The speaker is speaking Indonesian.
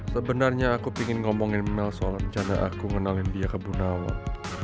sebenarnya aku pengen ngomongin mel soal rencana aku ngenalin dia ke bu nawal